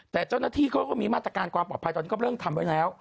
แต่เจ้าหน้าที่เขาก็มีมาตรการความปลอดภัยตอนนี้ก็เริ่มทำไว้แล้ว